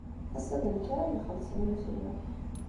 Ass-a d nekk ara am-ixellṣen imekli.